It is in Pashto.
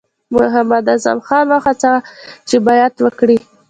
محمداعظم خان وهڅاوه چې بیعت وکړي.